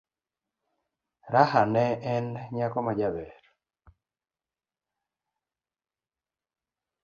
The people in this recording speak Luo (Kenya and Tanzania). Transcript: Raha ne en nyako majaber.